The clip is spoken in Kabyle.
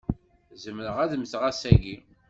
Zemreɣ ad mmteɣ ass-agi.